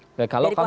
kalau kami melihat